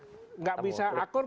tidak bisa akur